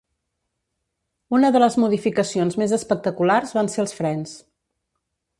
Una de les modificacions més espectaculars van ser els frens.